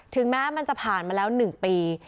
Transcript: แม้มันจะผ่านมาแล้ว๑ปี